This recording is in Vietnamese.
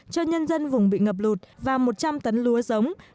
cho nhân dân vùng bị ngập lụt và một trăm linh tấn lúa giống